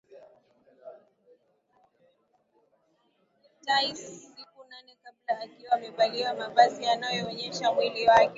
Tayc siku nane kabla akiwa amevalia mavazi yanayoonyesha mwili wake